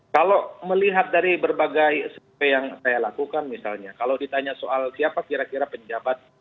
kalau melihat dari berbagai survei yang saya lakukan misalnya kalau ditanya soal siapa kira kira penjabat